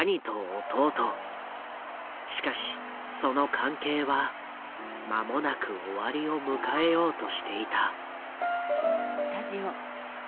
しかしその関係は間もなく終わりを迎えようとしていた。